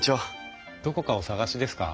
どこかお探しですか？